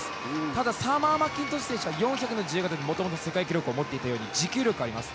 ただサマー・マッキントッシュ選手が４００の自由形でもともと世界記録を持っていて持久力があります。